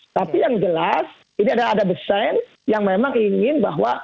tapi yang jelas ini ada desain yang memang ingin bahwa